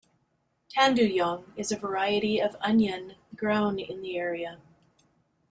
Tanduyong is a variety of onion grown in the area.